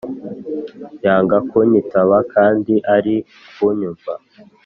yanga kunyitaba kandi ari kunyumva